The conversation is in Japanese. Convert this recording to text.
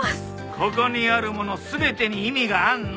ここにあるもの全てに意味があるの。